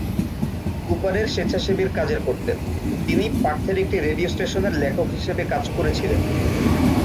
কুপারের স্বেচ্ছাসেবীর কাজের করতেন, তিনি পার্থের একটি রেডিও স্টেশনের লেখক হিসাবে কাজ করেছিলেন।